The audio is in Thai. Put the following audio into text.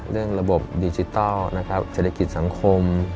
เรื่องระบบดิจิทัลนะครับเศรษฐกิจสังคม